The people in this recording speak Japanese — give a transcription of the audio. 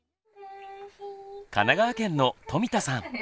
神奈川県の冨田さん。